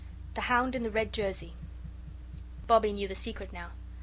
The hound in the red jersey. Bobbie knew the secret now.